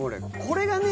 これがね